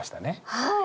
はい。